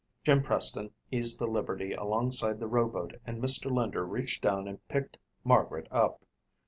Jim Preston eased the Liberty alongside the rowboat and Mr. Linder reached down and picked Margaret up.